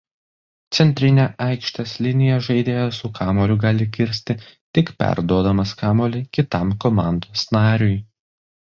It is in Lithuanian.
Centrinę aikštės liniją žaidėjas su kamuoliu gali kirsti tik perduodamas kamuolį kitam komandos nariui.